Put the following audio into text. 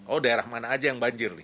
oh daerah mana aja yang banjir nih